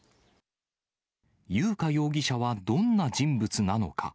優花容疑者はどんな人物なのか。